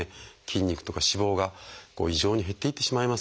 筋肉とか脂肪が異常に減っていってしまいますからね。